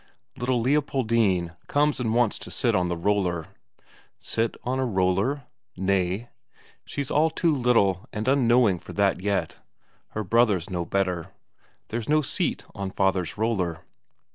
Little Leopoldine comes and wants to sit on the roller. Sit on a roller? nay, she's all too little and unknowing for that yet. Her brothers know better. There's no seat on father's roller.